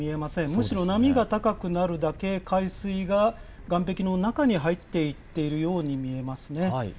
むしろ波が高くなるだけ、海水が岸壁の中に入っていっているように見えますね。